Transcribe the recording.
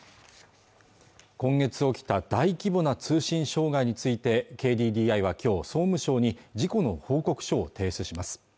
今月起きた大規模な通信障害についてＫＤＤＩはきょう総務省に事故の報告書を提出します